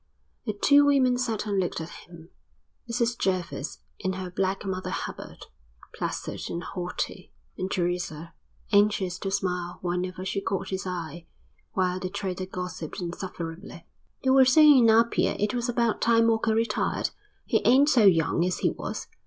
The two women sat and looked at him, Mrs Jervis in her black Mother Hubbard, placid and haughty, and Teresa, anxious to smile whenever she caught his eye, while the trader gossiped insufferably. "They were saying in Apia it was about time Walker retired. He ain't so young as he was.